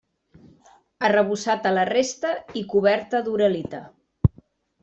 Arrebossat a la resta i coberta d'uralita.